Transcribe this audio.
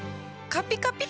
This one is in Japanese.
カピカピ？